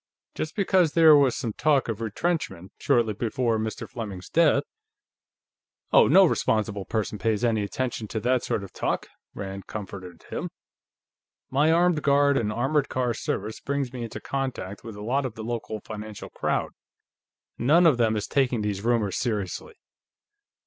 Just because there was some talk of retrenchment, shortly before Mr. Fleming's death ..." "Oh, no responsible person pays any attention to that sort of talk," Rand comforted him. "My armed guard and armored car service brings me into contact with a lot of the local financial crowd. None of them is taking these rumors seriously."